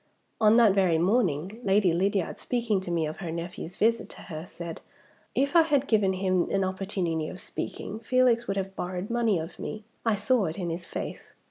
On that very morning, Lady Lydiard, speaking to me of her nephew's visit to her, said, 'If I had given him an opportunity of speaking, Felix would have borrowed money of me; I saw it in his face.